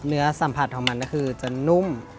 เนื้อสัมผัสของมันก็คือจะนุ่ม